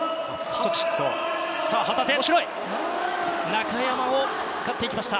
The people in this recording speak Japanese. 中山を使っていきました。